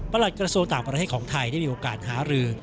กระทรวงต่างประเทศของไทยได้มีโอกาสหารือ